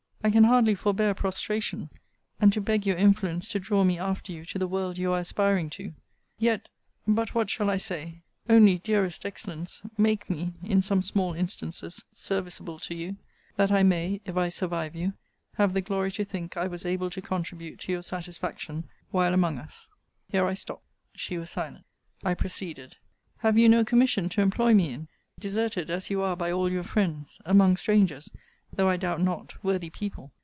I can hardly forbear prostration, and to beg your influence to draw me after you to the world you are aspiring to! Yet but what shall I say Only, dearest excellence, make me, in some small instances, serviceable to you, that I may (if I survive you) have the glory to think I was able to contribute to your satisfaction, while among us. Here I stopt. She was silent. I proceeded Have you no commission to employ me in; deserted as you are by all your friends; among strangers, though I doubt not, worthy people?